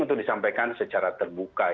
untuk disampaikan secara terbuka